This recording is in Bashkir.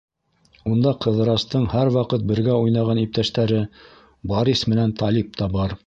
Унда Ҡыҙырастың һәр ваҡыт бергә уйнаған иптәштәре Борис менән Талип та бар.